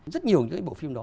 rất nhiều những cái bộ phim đó